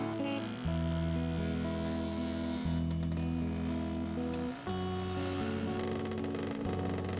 dia finding tata sawat ya